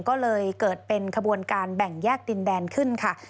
ก็เลยเกิดเป็นขบวนการแบ่งแยกดินแดนขึ้นค่ะ